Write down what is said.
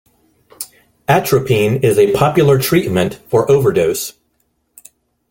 Atropine is a popular treatment for overdose.